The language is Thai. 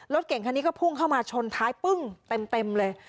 รถเก่งคันนี้ก็พุ่งเข้ามาชนท้ายปึ้งเต็มเลย